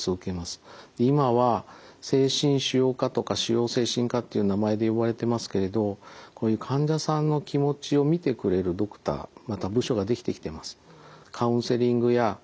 今は精神腫瘍科とか腫瘍精神科っていう名前で呼ばれてますけれどこういう患者さんの気持ちを診てくれるドクターまた部署ができてきてます。